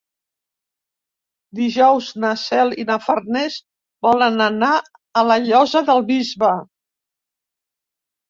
Dijous na Cel i na Farners volen anar a la Llosa del Bisbe.